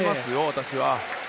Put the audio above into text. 私は。